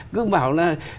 cứ bảo là